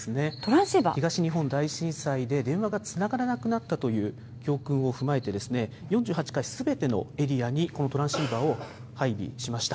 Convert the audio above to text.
東日本大震災で電話がつながらなくなったという教訓を踏まえて、４８階すべてのエリアにこのトランシーバーを配備しました。